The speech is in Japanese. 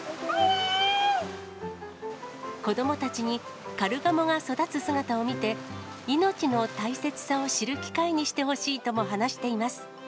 子どもたちにカルガモが育つ姿を見て、命の大切さを知る機会にしてほしいとも話しています。